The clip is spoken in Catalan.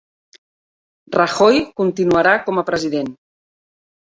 Rajoy continuarà com a president